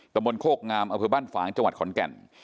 ตะมนต์โคกงามอภิบาลฟ้างจังหวัดขอนแก่น